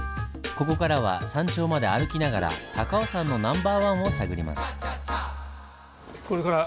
ここからは山頂まで歩きながら高尾山のナンバーワンを探ります。